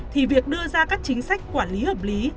thì việc đưa ra các chính sách quản lý hợp lý